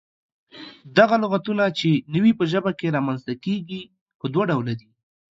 دغه لغتونه چې نوي په ژبه کې رامنځته کيږي، پۀ دوله ډوله دي: